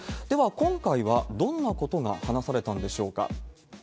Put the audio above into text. では、今回はどんなことが話されたんでしょうか？